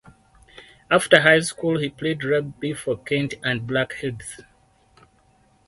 After school he played rugby for Kent and Blackheath.